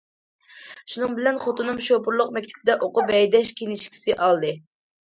شۇنىڭ بىلەن خوتۇنۇم شوپۇرلۇق مەكتىپىدە ئوقۇپ، ھەيدەش كىنىشكىسى ئالدى.